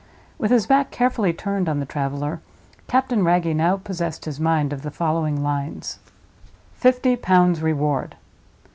With his back carefully turned on the traveler, Captain Wragge now possessed his mind of the following lines: "FIFTY POUNDS REWARD."